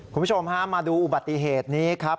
คุณผู้ชมฮะมาดูอุบัติเหตุนี้ครับ